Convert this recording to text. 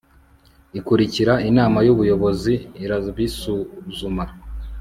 ikurikira Inama y Ubuyobozi irabisuzuma